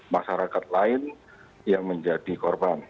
masyarakat lain yang menjadi korban